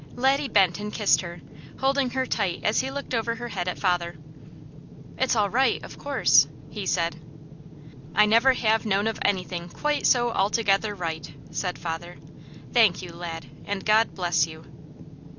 Laddie bent and kissed her, holding her tight as he looked over her head at father. "It's all right, of course?" he said. "I never have known of anything quite so altogether right," said father. "Thank you, lad, and God bless you!"